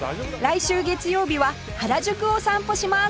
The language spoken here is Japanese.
来週月曜日は原宿を散歩します